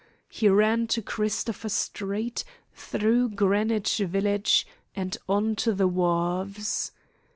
He ran to Christopher Street, through Greenwich Village, and on to the wharves.